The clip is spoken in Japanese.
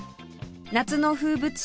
夏の風物詩